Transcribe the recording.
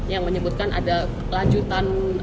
yang menyebutkan ada lanjutan